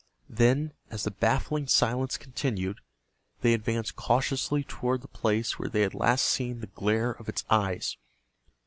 Then, as the baffling silence continued, they advanced cautiously toward the place where they had last seen the glare of its eyes.